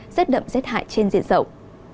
rết đậm rét hại trên diện rộng